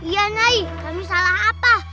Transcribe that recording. iya nyai kami salah apa